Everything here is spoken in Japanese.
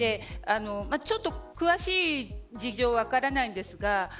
ちょっと詳しい事情は分からないんですが